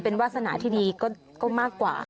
เป็นวาสนาที่ดีก็มากกว่า